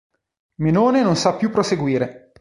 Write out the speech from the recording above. Menone non sa più proseguire.